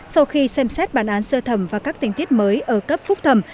sau khi xem xét bản án sơ thẩm và các tình tiết mới ở cấp phúc thẩm